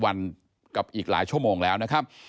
วันกับอีกหลายชั่วโมงแล้วนะครับ